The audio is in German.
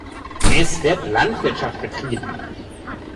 Es wird Landwirtschaft betrieben.